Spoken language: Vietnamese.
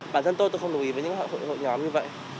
bản thân tôi tôi không đồng ý với những hội nhóm như vậy